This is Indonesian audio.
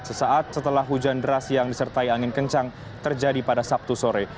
sesaat setelah hujan deras yang disertai angin kencang terjadi pada sabtu sore